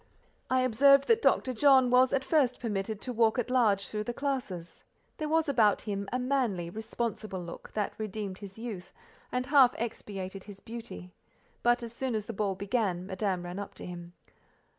I observed that Dr. John was at first permitted to walk at large through the classes: there was about him a manly, responsible look, that redeemed his youth, and half expiated his beauty; but as soon as the ball began, Madame ran up to him.